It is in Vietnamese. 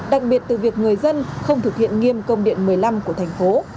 đặc biệt từ việc người dân không thực hiện nghiêm công điện một mươi năm của thành phố